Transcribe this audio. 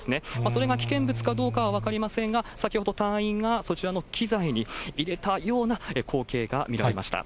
それが危険物かどうかは分かりませんが、先ほど、隊員がそちらの機材に入れたような光景が見られました。